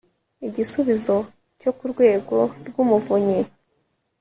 igisubizo cyo ku Rwego rw Umuvunyi